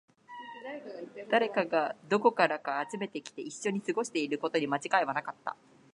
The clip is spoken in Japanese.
誰かがどこからか集めてきて、一緒に過ごしていることに間違いはなかった